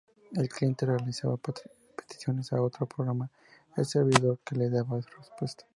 El cliente realizaba peticiones a otro programa —el servidor— que le daba respuesta.